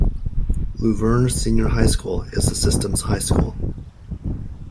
Luverne Senior High School is the system's high school.